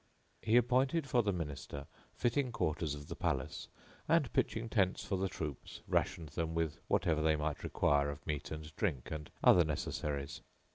He appointed for the Minister fitting quarters of the palace; and, pitching tents for the troops, rationed them with whatever they might require of meat and drink and other necessaries.